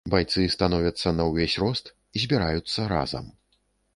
Байцы становяцца на ўвесь рост, збіраюцца разам.